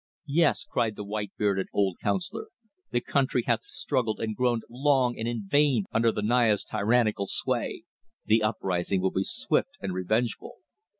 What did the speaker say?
"Yes," cried the white bearded old councillor. "The country hath struggled and groaned long and in vain under the Naya's tyrannical sway; the uprising will be swift and revengeful."